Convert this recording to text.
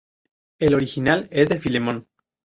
El original es de Filemón.